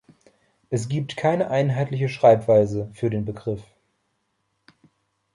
Es gibt keine einheitliche Schreibweise für den Begriff.